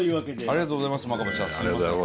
ありがとうございます真壁さん。